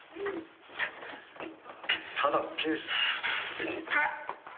ただの刑事だ。